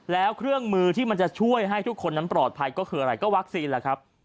แล้วเครื่องมือที่มันจะช่วยให้ทุกคนนั้นปลอดภัยก็คืออะไรก็วัคซีนแหละครับ